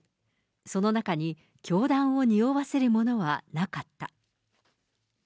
その中に、教団をにおわせるものはなかった。